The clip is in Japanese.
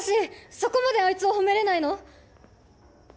そこまでアイツを褒められないの！？